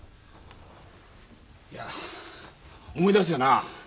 いや思い出すよな